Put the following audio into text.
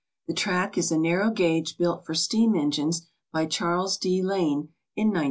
The track is a narrow gauge built for steam engines by Charles D. Lane in 1900.